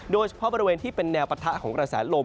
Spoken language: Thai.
โดยเฉพาะบริเวณที่เป็นแนวปัฏฒนศาษธ์ของกระแสลมลม